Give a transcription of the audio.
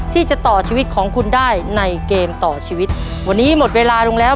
ที่จะต่อชีวิตของคุณได้ในเกมต่อชีวิตวันนี้หมดเวลาลงแล้ว